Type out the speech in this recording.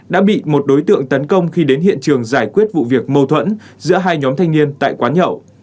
đã bị một đối tượng tấn công khi đến hiện trường giải quyết vụ việc mâu thuẫn giữa hai nhóm thanh niên tại quán nhậu